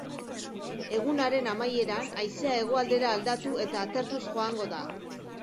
Egunaren amaieran haizea hegoaldera aldatu eta atertuz joango da.